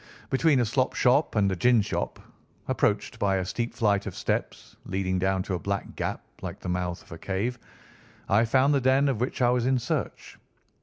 Between a slop shop and a gin shop, approached by a steep flight of steps leading down to a black gap like the mouth of a cave, I found the den of which I was in search.